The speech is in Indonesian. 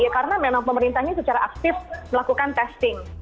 karena memang pemerintahnya secara aktif melakukan testing